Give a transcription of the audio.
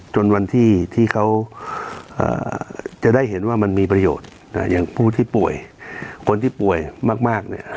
จนวันที่เขาจะได้เห็นว่ามันมีประโยชน์อย่างผู้ที่ป่วยคนที่ป่วยมากเนี่ย